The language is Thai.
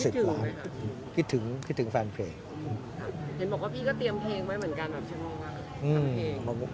เห็นบอกว่าพี่ก็เตรียมเพลงไว้เหมือนกันแบบช่างงวางวาง